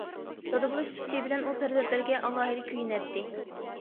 دادا بولۇش سۈپىتى بىلەن ئۇ پەرزەنتلىرىگە ئالاھىدە كۆيۈنەتتى.